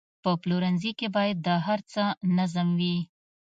په پلورنځي کې باید د هر څه نظم وي.